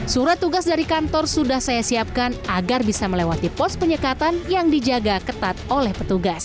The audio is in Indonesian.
surat tugas dari kantor sudah saya siapkan agar bisa melewati pos penyekatan yang dijaga ketat oleh petugas